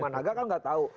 lima naga kan enggak tahu